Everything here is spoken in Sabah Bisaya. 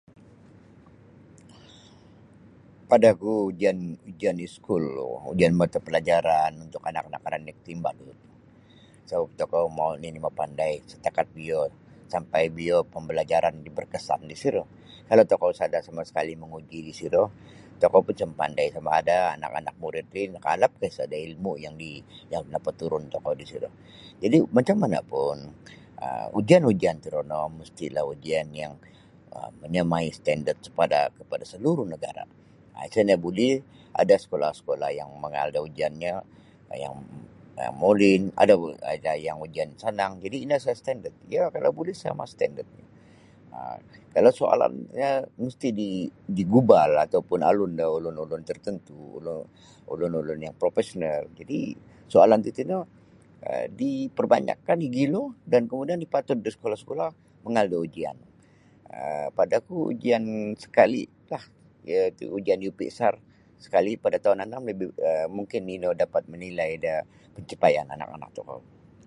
Pada ku ujan-ujian iskul jaan mata palajaran untuk anak- anak ranik ti mabalut sabab tokou mau nini mapandai satakat bio sampai bio pambalajaran ti barkasan di siro kalau tokou sada sama sakali manguji di siro tokou macam mapandai sama ada anak-anak murid ti makalap ka isa da ilmu yang di yang napaturun tokou di siro jadi macam mana pun um ujian-ujian torono mestilah ujian yang um menyamai standard kepada kepada seluruh negara um isa nio buli da skula-skula yang mangaal da ujianyo yang um molin ada juga ada yang ujian sanang jadi ino isa standard iyo kalau buli sama standard nini um kalau soalan iyo mesti digubal lah ataupun da alun ulun-ulun tertentu ulun ulun-ulun yang profesional jadi soalan tatino um diperbanyakkan igilo dan kamudian nipatud da skula-skula mangaal da ujian um pada ku ujian sakali lah iyo ti ujian UPSR skali pada taun anam lebih ba um mungkin ino dapat menilai da pancapaian anak-anak tokou.